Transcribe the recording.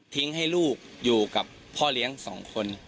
ทิ้งให้ลูกอยู่กับพ่อเลี้ยงสองคน